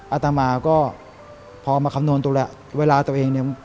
อัตมาก็พอมาคำนวณตัวเองเนี่ย